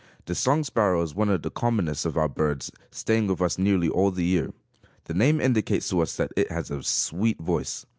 The song sparrow is one of the commonest of our birds, staying with us nearly all the year. The name indicates to us that it has a sweet voice.